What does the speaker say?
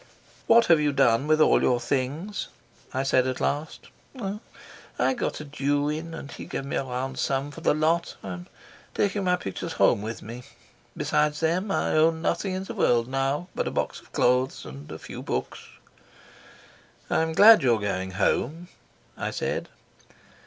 "What have you done with all your things?" I said at last. "I got a Jew in, and he gave me a round sum for the lot. I'm taking my pictures home with me. Beside them I own nothing in the world now but a box of clothes and a few books." "I'm glad you're going home," I said.